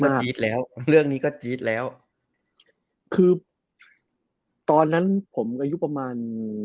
มันจี๊ดแล้วเรื่องนี้ก็จี๊ดแล้วคือตอนนั้นผมอายุประมาณ